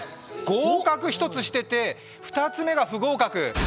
合格１つしてて、２つ目が不合格。